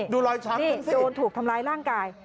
ดูรอยช้ำนี่โดนถูกทำร้ายร่างกาย